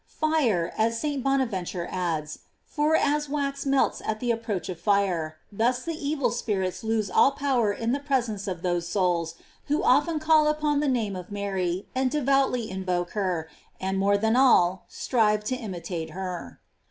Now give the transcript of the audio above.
f Fire, as St. Bonaventure adds, for as wax melts at the approach of fire, thus the evil spirits lose all power in the presence of those souls who often call upon the name of Mary, and devoutly invoke her, and more than all, strive to imitate her.